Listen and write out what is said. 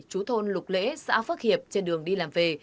chú thôn lục lễ xã phước hiệp trên đường đi làm về